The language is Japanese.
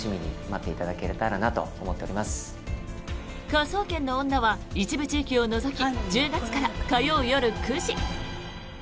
「科捜研の女」は一部地域を除き１０月から火曜夜９時！